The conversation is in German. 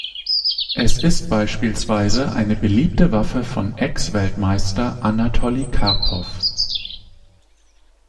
Es ist beispielsweise eine beliebte Waffe von Ex-Weltmeister Anatoli Karpow.